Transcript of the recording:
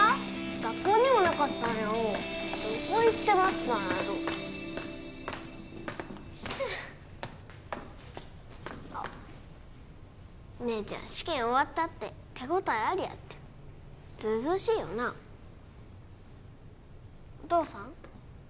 学校にもなかったんやおどこ行ってまったんやろうふうあっ姉ちゃん試験終わったって手応えありやってずうずうしいよなお父さん？